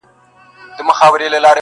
خــو ســــمـدم.